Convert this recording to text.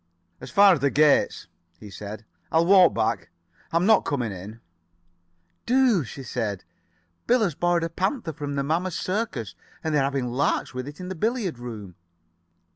"As far as the gates," he said. "I'll walk back. I'm not coming in." "Do," she said. "Bill has borrowed a panther from the Mammoth Circus, and they're having larks with it in the billiard room."